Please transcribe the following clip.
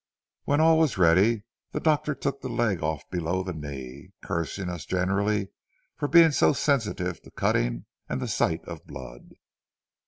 When all was ready, the doctor took the leg off below the knee, cursing us generally for being so sensitive to cutting and the sight of blood.